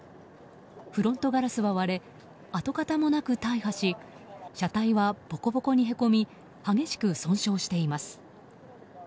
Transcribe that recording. フロントガラスは割れ跡形もなく大破し車体はボコボコにへこみ激しく損傷しています。